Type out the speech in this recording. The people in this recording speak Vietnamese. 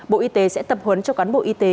bộ y tế sẽ tập huấn cho cán bộ y tế